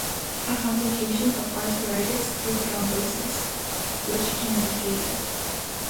A complication of arteritis is thrombosis, which can be fatal.